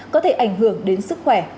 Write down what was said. có thể ảnh hưởng đến sức khỏe